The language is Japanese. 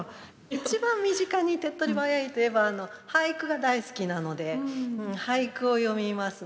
一番身近に手っとり早いといえば俳句が大好きなので俳句を読みますね。